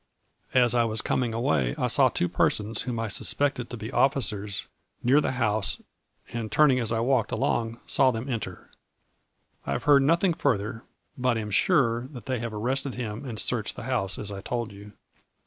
As I was coming away I saw two persons whom I suspected to be officers near the house and turning as I walked along, saw them enter. I have heard nothing further, but am sure that they have arrested him and searched the house as I told you.